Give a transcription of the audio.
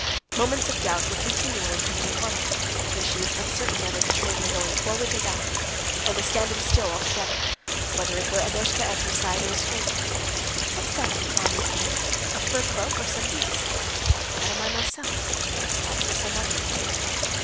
Moments of doubt were continually coming upon her, when she was uncertain whether the train were going forwards or backwards, or were standing still altogether; whether it were Annushka at her side or a stranger. "What's that on the arm of the chair, a fur cloak or some beast? And what am I myself? Myself or some other woman?"